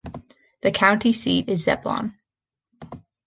The county seat is Zebulon.